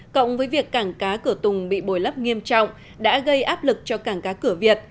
cộng với việc cảng cá cửa tùng bị bồi lấp nghiêm trọng đã gây áp lực cho cảng cá cửa việt